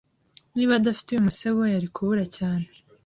Niba adafite uyu musego, yari kubura cyane.